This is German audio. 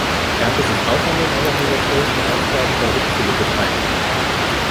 Er hatte sich auch an den organisatorischen Aufgaben der Hochschule beteiligt.